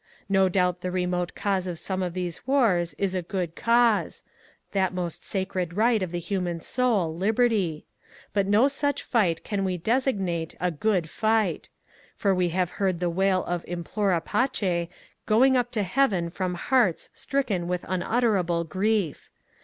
No doubt the remote cause of some of these wars is a good cause, — that most sacred right of the human soul, Liberty. .•. But no such fight can we designate '^ a good fight ;*' for we have heard the wail of Implorapace going up to Heaven from hearts stricken with unutterable grief.